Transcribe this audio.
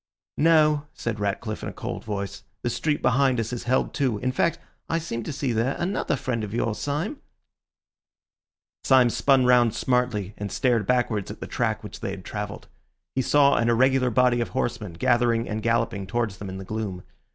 "No," said Ratcliffe in a cold voice, "the street behind us is held too. In fact, I seem to see there another friend of yours, Syme." Syme spun round smartly, and stared backwards at the track which they had travelled. He saw an irregular body of horsemen gathering and galloping towards them in the gloom.